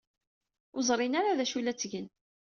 Ur ẓrin ara d acu ay la ttgen.